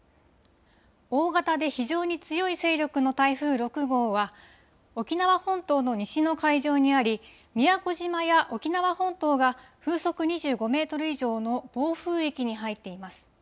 大型で非常に強い勢力の台風６号は沖縄本島の西の海上にあり宮古島や沖縄本島が風速２５メートル以上の暴風域に入っています。